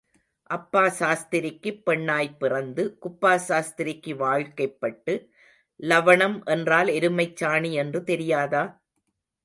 அப்பா சாஸ்திரிக்குப் பெண்ணாய்ப் பிறந்து, குப்பா சாஸ்திரிக்கு வாழ்க்கைப்பட்டு, லவணம் என்றால் எருமைச் சாணி என்று தெரியாதா?